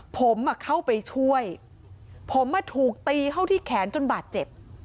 ผมเข้าไปช่วยผมมาถูกตีเข้าที่แขนจนบาดเจ็บ